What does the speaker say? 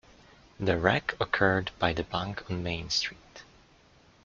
The wreck occurred by the bank on Main Street.